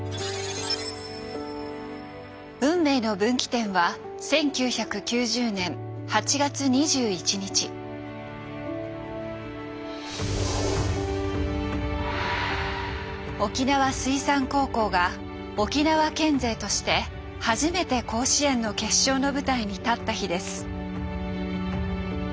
運命の分岐点は沖縄水産高校が沖縄県勢として初めて甲子園の決勝の舞台に立った日です。